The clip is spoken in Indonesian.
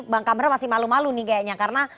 bang kamra masih malu malu nih kayaknya karena